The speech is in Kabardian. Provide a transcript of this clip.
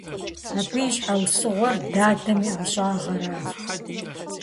Абы и щхьэусыгъуэр дадэм и ӀэщӀагъэращ.